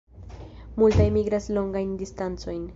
Multaj migras longajn distancojn.